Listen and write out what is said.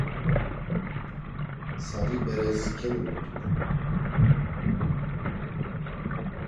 Sari beres kelugutu.